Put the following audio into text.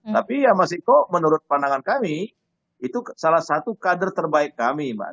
tapi ya mas iko menurut pandangan kami itu salah satu kader terbaik kami mas